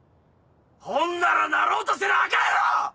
ほんならなろうとせなあかんやろ‼